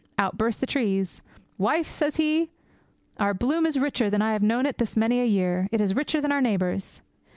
Out burst the trees. "Wife," says he, "our bloom is richer than I have known it this many a year; it is richer than our neighbours'!"